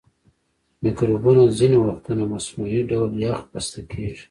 مکروبونه ځینې وختونه مصنوعي ډول یخ بسته کیږي.